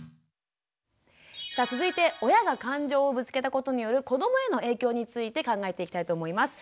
さあ続いて親が感情をぶつけたことによる子どもへの影響について考えていきたいと思います。